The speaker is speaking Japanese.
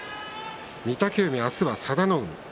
御嶽海は明日、佐田の海。